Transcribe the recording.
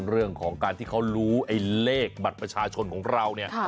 เรื่องของการที่เขารู้ไอ้เลขบัตรประชาชนของเราเนี่ย